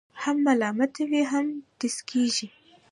هم ملامته وي، هم ټسکېږي.